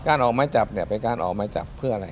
ออกไม้จับเนี่ยเป็นการออกไม้จับเพื่ออะไร